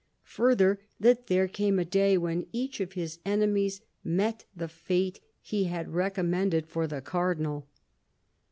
Further, that there came a day when each of his enemies met the fate he had recom mended for the Cardinal.